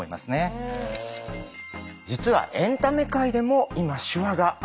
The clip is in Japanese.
実はエンタメ界でも今手話が熱いんです。